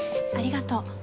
ありがとう。